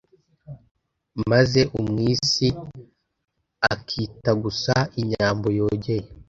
maze Umwisi akitagusa inyambo yogeye